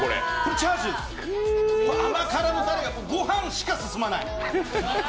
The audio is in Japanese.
甘辛のたれが、ご飯しか進まない。